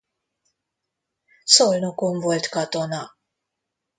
Szolnokon volt katona.